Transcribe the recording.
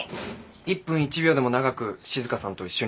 １分１秒でも長く静さんと一緒にいたいのでは。